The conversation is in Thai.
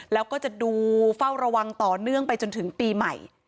แล้วก็จะดูเฝ้าระวังต่อเนื่องไปจนถึงปีใหม่